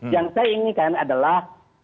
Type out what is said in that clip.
yang saya inginkan adalah